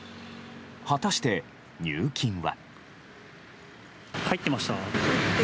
果たして、入金は。